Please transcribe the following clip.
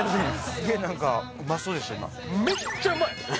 すげえ何かうまそうでした